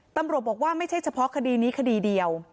ตำรวจบอกว่าไม่ใช่เฉพาะคดีนี้คดีเดียว